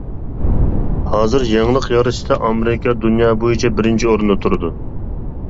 ھازىر يېڭىلىق يارىتىشتا ئامېرىكا دۇنيا بويىچە بىرىنچى ئورۇندا تۇرىدۇ.